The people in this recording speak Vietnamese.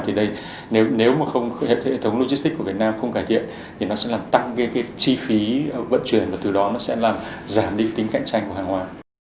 thì đây nếu mà không hệ thống logistics của việt nam không cải thiện thì nó sẽ làm tăng cái chi phí vận chuyển và từ đó nó sẽ làm giảm đi tính cạnh tranh của hàng hải